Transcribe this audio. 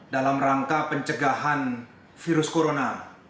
dalam rangka pencegahan virus corona